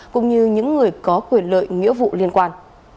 cũng như những người có quyền lợi nghĩa vụ liên quan